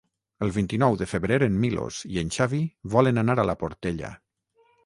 El vint-i-nou de febrer en Milos i en Xavi volen anar a la Portella.